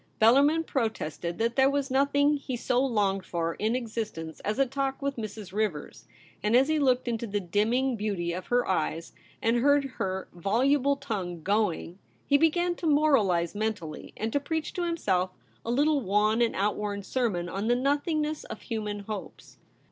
Bellarmin protested that there was nothing he so longed for in existence as a talk with Mrs. Rivers ; and as he looked into the dim ming beauty of her eyes and heard her voluble tongue going, he began to moralize mentally, and to preach to himself a little wan and outworn sermon on the nothingness of human hopes.